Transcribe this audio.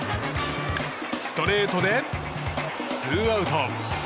ストレートでツーアウト。